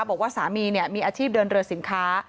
บอกว่าสามีมีอาชีพเดินเรือสินค้า